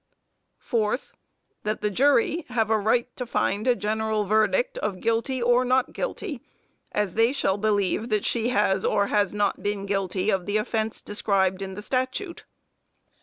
Fourth That the jury have a right to find a general verdict of guilty or not guilty, as they shall believe that she has or has not been guilty of the offense described in the statute.